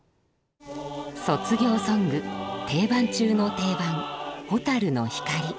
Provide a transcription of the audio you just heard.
卒業ソング定番中の定番「蛍の光」。